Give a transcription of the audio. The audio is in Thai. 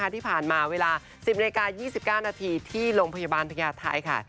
ที่ผ่านมาเวลา๑๐นาฬิกา๒๙นาทีที่โรงพยาบาลพญาไทยค่ะ